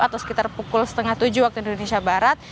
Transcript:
atau sekitar pukul setengah tujuh waktu indonesia barat